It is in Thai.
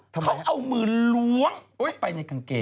เขาเอามือล้วงไปในกางเกง